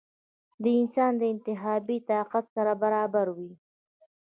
د انسان د انتخابي طاقت سره برابروې ؟